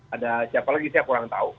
ada siapa lagi saya kurang tahu